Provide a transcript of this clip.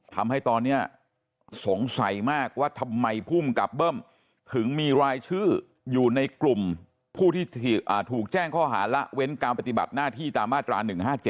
ทำให้ตอนนี้สงสัยมากว่าทำไมภูมิกับเบิ้มถึงมีรายชื่ออยู่ในกลุ่มผู้ที่ถูกแจ้งข้อหาละเว้นการปฏิบัติหน้าที่ตามมาตรา๑๕๗